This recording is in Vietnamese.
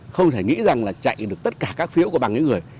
không thể nghĩ rằng là chạy được tất cả các phiếu của bằng những người